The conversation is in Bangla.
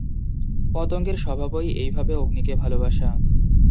পতঙ্গের স্বভাবই এইভাবে অগ্নিকে ভালবাসা।